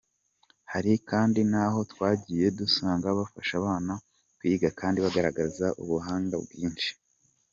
Hari kandi n’aho twagiye dusanga bafasha abana kwiga kandi bagaragaza ubuhanga bwinshi.